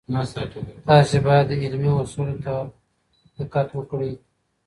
تاسې باید د علمي اصولو ته دقت وکړئ.